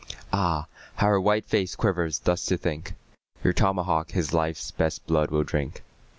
Ah, how her white face quivers thus to think, Your tomahawk his life's best blood will drink.